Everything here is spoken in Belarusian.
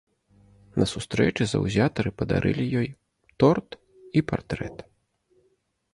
На сустрэчы заўзятары падарылі ёй торт і партрэт.